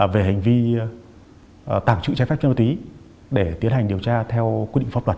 về hành vi tẳng trự trách phép cho ma túy để tiến hành điều tra theo quy định pháp luật